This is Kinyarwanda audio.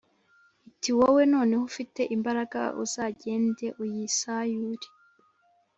iti wowe noneho ufite imbaraga, uzagende uyisayure.